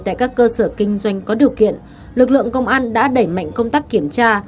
tại các cơ sở kinh doanh có điều kiện lực lượng công an đã đẩy mạnh công tác kiểm tra